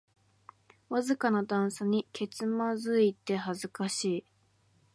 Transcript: わずかな段差にけつまずいて恥ずかしい